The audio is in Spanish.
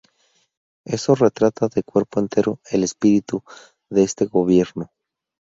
Eso retrata de cuerpo entero el espíritu de este gobierno".